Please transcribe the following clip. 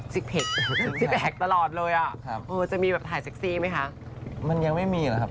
สิกเพคสิกเพคตลอดเลยอะจะมีแบบถ่ายเซ็กซีไหมคะมันยังไม่มีแหละครับ